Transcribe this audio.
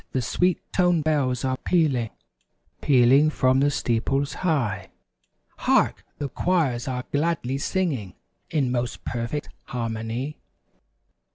The sweet toned bells are pealing; Pealing from the steeples high. Hark! The choirs are gladly singing In most perfect harmony.